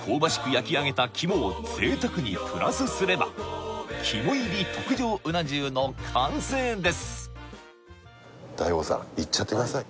焼き上げた肝を贅沢にプラスすれば肝入り特上うな重の完成ですＤＡＩＧＯさんいっちゃってください